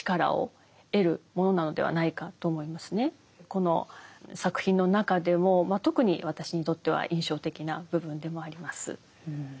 この作品の中でも特に私にとっては印象的な部分でもあります。